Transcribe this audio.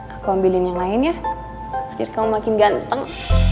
aku ambilin yang lain ya biar kau makin ganteng